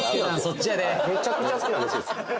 めちゃくちゃ好きなんですよ